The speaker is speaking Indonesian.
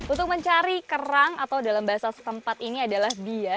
untuk mencari kerang atau dalam bahasa setempat ini adalah bia